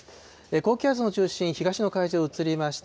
高気圧の中心、東の海上に移りました。